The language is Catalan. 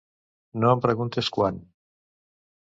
No em preguntes quan.